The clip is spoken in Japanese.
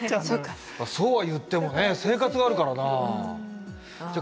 そうは言ってもね生活があるからなあ。